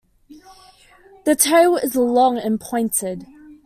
The tail is long and pointed.